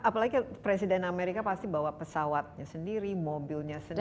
apalagi presiden amerika pasti bawa pesawatnya sendiri mobilnya sendiri